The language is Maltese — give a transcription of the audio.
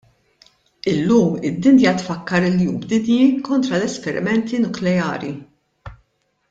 Illum id-dinja tfakkar il-jum dinji kontra l-esperimenti nukleari.